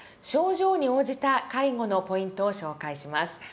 症状に応じた介護のポイントを紹介します。